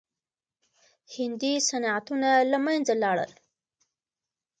هندي صنعتونه له منځه لاړل.